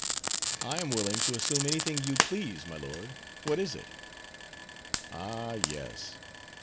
"I am willing to assume any thing you please, my lord: what is it?" "Ah! yes!